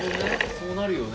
そうなるよね